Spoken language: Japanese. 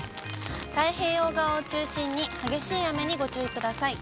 太平洋側を中心に、激しい雨にご注意ください。